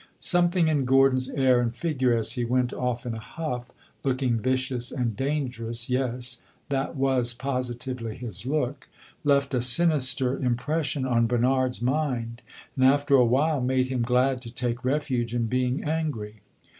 Something in Gordon's air and figure, as he went off in a huff, looking vicious and dangerous yes, that was positively his look left a sinister impression on Bernard's mind, and, after a while, made him glad to take refuge in being angry.